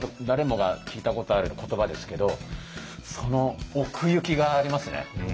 誰もが聞いたことある言葉ですけどその奥行きがありますね。